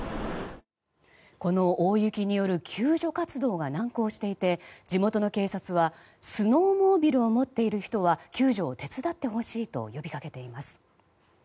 この大雪による救助活動が難航していて地元の警察はスノーモービルを持っている人は救助を手伝ってほしいと呼びかけています。